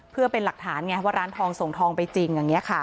เพื่อเป็นหลักฐานไงว่าร้านทองส่งทองไปจริงอย่างนี้ค่ะ